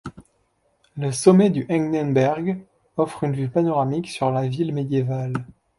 Le sommet du Hegnenberg offre une vue panoramique sur la ville médiévale.